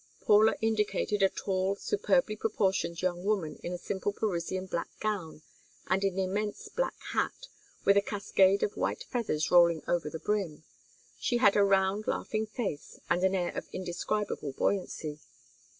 Paula indicated a tall superbly proportioned young woman in a simple Parisian black gown and an immense black hat with a cascade of white feathers rolling over the brim; she had a round laughing face and an air of indescribable buoyancy.